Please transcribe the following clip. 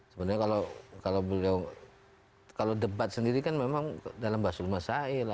sebenarnya kalau beliau kalau debat sendiri kan memang dalam bahasa rumah saya lah